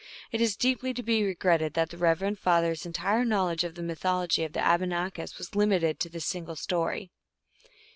It is deeply to be regretted that the reverend father s en tire knowledge of the mythology of the Abenakis was limited to this single story.